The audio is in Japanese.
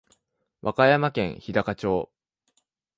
和歌山県日高町